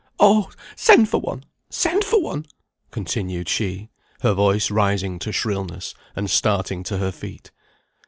Oh! send for one, send for one," continued she, her voice rising to shrillness, and starting to her feet.